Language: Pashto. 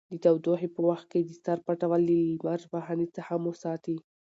د تودوخې په وخت کې د سر پټول له لمر وهنې څخه مو ساتي.